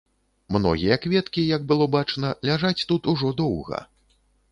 Многія кветкі, як было бачна, ляжаць тут ужо доўга.